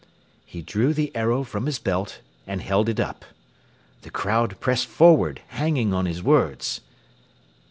He drew the arrow from his belt and held it up. The crowd pressed forward, hanging on his words.